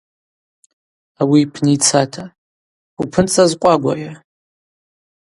Ауи йпны йцата: Упынцӏа зкъвагвайа?